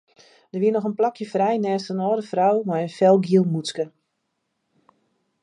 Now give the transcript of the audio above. Der wie noch in plakje frij neist in âlde frou mei in felgiel mûtske.